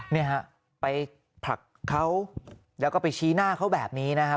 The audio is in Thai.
เนี่ยฮะไปผลักเขาแล้วก็ไปชี้หน้าเขาแบบนี้นะครับ